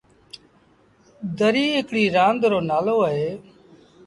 دريٚ هڪڙيٚ رآند رو نآلو اهي۔